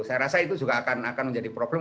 saya rasa itu juga akan menjadi problem